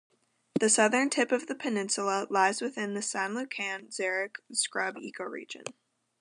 The southern tip of the peninsula lies within the San Lucan xeric scrub ecoregion.